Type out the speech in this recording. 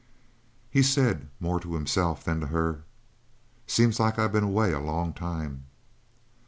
He said, more to himself than to her: "Seems like I been away a long time."